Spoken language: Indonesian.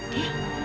sini duduk yuk